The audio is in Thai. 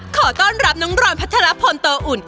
ขอต้อนรับน้องรอนพัทรพลโตอุ่น